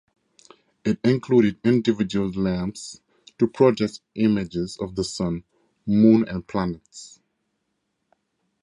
It included individual lamps to project images of the Sun, Moon and planets.